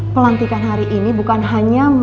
pelantikan hari ini bukan hanya